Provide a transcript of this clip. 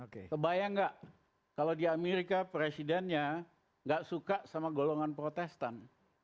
kebayang nggak kalau di amerika presidennya nggak suka sama golongan protestan